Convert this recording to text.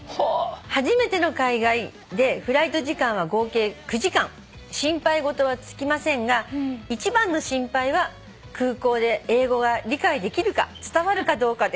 「初めての海外でフライト時間は合計９時間」「心配事は尽きませんが一番の心配は空港で英語が理解できるか伝わるかどうかです」